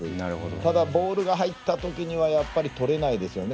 ただ、ボールが入った時にはとれないですよね